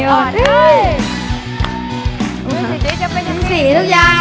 มือสิทธิ์จะเป็นสิทธิ์หรือยัง